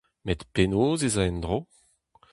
Met penaos 'z a en-dro ?